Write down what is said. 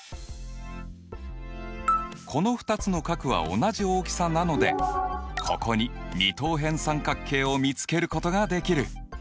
この２つの角は同じ大きさなのでここに二等辺三角形を見つけることができる！